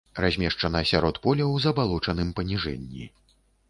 Размешчана сярод поля ў забалочаным паніжэнні.